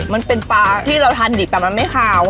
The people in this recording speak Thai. มันเป็นปลาที่เราทานดิบแต่มันไม่ขาว